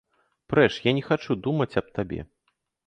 Прэч, я не хачу думаць аб табе!